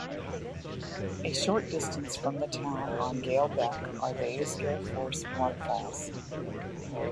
A short distance form the town on Gayle Beck are the Aysgill Force waterfalls.